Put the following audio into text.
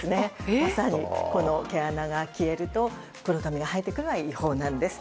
まさに「毛穴が消えると黒髪が生えてくる」というのは違法なんです。